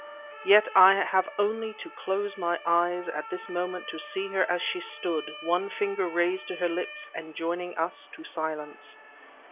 Yet I have only to close my eyes at this moment to see her as she stood, one finger raised to her lips, enjoining us to silence.